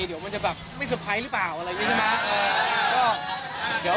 เดี๋ยวมันจะแบบไม่เตอร์ไพรส์หรือเปล่าอะไรอย่างนี้ใช่ไหม